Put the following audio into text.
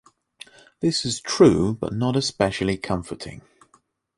That is true but not especially comforting.